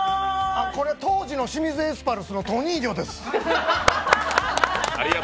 これ、当時の清水エスパルスのトニーニョです。